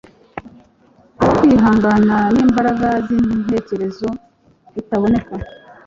bwo kwihangana nimbaraga zintekerezo bitaboneka